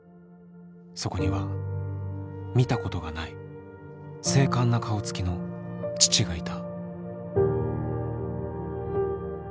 そこには見たことがない精悍な顔つきの父がいた。